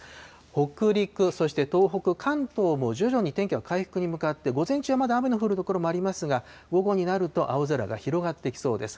北陸、そして東北、関東も徐々に天気は回復に向かって、午前中はまだ雨の降る所もありますが、午後になると青空が広がってきそうです。